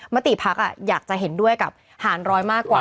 มติภักดิ์อยากจะเห็นด้วยกับหารร้อยมากกว่า